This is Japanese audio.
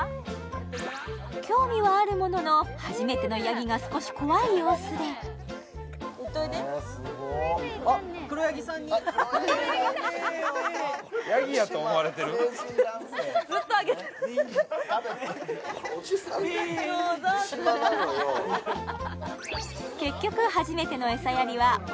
興味はあるものの初めてのヤギが少し怖い様子でめぇめぇめぇ